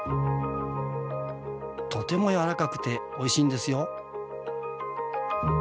とても軟らかくておいしいんですよ。